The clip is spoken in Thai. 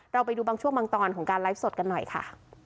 ไปดูบางช่วงบางตอนของการไลฟ์สดกันหน่อยค่ะ